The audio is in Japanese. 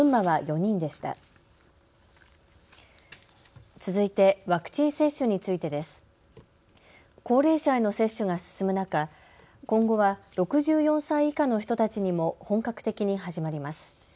高齢者への接種が進む中、今後は６４歳以下の人たちにも本格的に始まります。